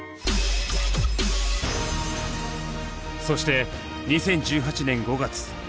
そして２０１８年５月。